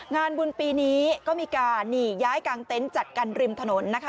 งานบุญปีนี้ก็มีการหนีย้ายกลางเต็นต์จัดกันริมถนนนะคะ